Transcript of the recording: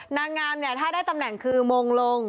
นางงามเนี่ยถ้าได้ตำแหน่งคือมงลง